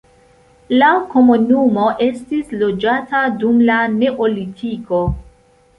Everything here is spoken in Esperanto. La komunumo estis loĝata dum la neolitiko.